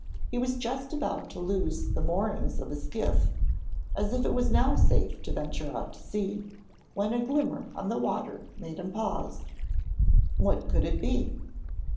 He was just about to loose the moorings of his skiff, as it was now safe to venture out to sea, when a glimmer on the water made him pause. What could it be?